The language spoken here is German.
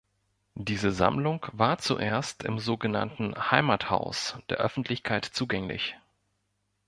Diese Sammlung war zuerst im so genannten Heimathaus der Öffentlichkeit zugänglich.